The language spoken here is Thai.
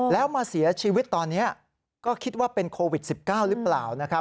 แล้วมาเสียชีวิตตอนนี้ก็คิดว่าเป็นโควิด๑๙หรือเปล่านะครับ